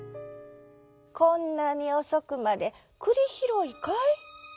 こんなにおそくまでくりひろいかい？」。